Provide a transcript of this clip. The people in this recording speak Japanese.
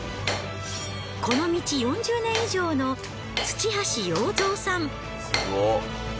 この道４０年以上の土橋要造さん。